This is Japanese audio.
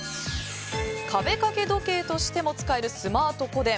壁掛け時計としても使えるスマート個電。